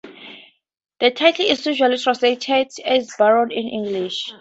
The title is usually translated as "Baron" in English.